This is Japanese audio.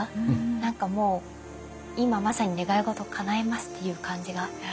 何かもう今まさに願い事かなえますっていう感じが。